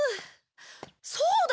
そうだ！